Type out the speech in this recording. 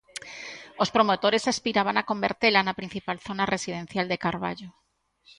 Os promotores aspiraban a convertela na principal zona residencial de Carballo.